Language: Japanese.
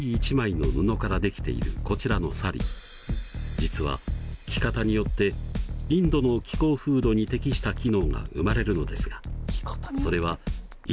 実は着方によってインドの気候風土に適した機能が生まれるのですがそれは一体どんな機能でしょうか？